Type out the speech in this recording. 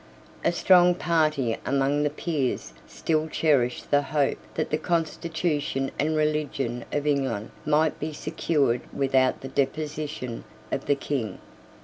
A strong party among the Peers still cherished the hope that the constitution and religion of England might be secured without the deposition of the King.